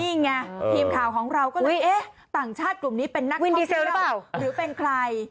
นี่ไงทีมข่าวของเราก็เลยอุ๊ยต่างชาติกลุ่มนี้เป็นนักภาพยนตร์หรือเป็นใคร